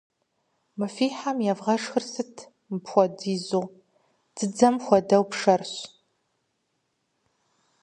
Мы фи хьэм евгъэшхыр сыт мыпхуэдизу? Дзыдзэм хуэдэу пшэрщ.